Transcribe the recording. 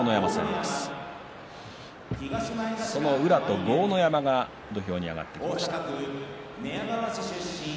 その宇良と豪ノ山が土俵に上がっています。